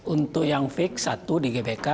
untuk yang fix satu di gbk